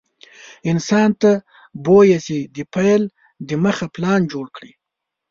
انسان ته بويه چې د پيل دمخه پلان جوړ کړي.